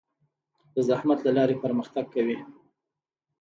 د زحمت له لارې پرمختګ کوي.